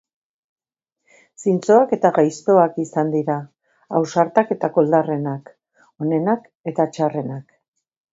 Zintzoak eta gaiztoak izan dira, ausartak eta koldarrenak, onenak eta txarrenak.